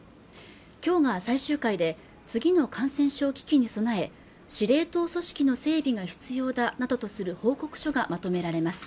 今日が最終回で次の感染症危機に備え司令塔組織の整備が必要だなどとする報告書がまとめられます